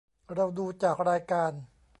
เราดูจากรายการ